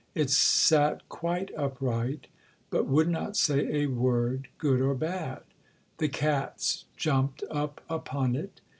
It sat quite upright, but would not say a word, good or bad. The cats jumped up upon it.